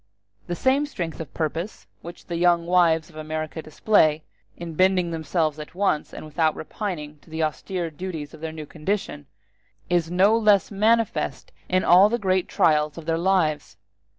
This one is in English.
The same strength of purpose which the young wives of America display, in bending themselves at once and without repining to the austere duties of their new condition, is no less manifest in all the great trials of their lives.